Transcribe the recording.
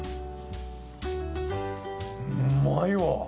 うまいわ。